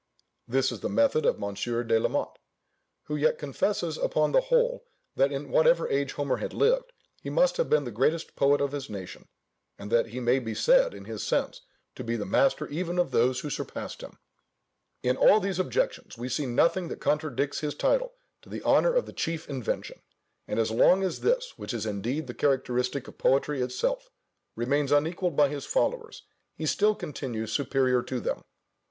This is the method of Mons. de la Mott; who yet confesses upon the whole that in whatever age Homer had lived, he must have been the greatest poet of his nation, and that he may be said in his sense to be the master even of those who surpassed him. In all these objections we see nothing that contradicts his title to the honour of the chief invention: and as long as this (which is indeed the characteristic of poetry itself) remains unequalled by his followers, he still continues superior to them.